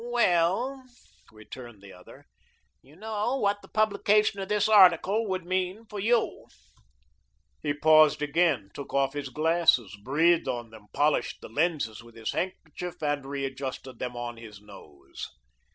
"Well," returned the other, "you know what the publication of this article would mean for you." He paused again, took off his glasses, breathed on them, polished the lenses with his handkerchief and readjusted them on his nose.